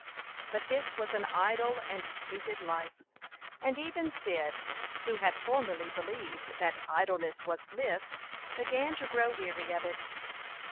But this was an idle and stupid life; and even Cyd, who had formerly believed that idleness was bliss, began to grow weary of it.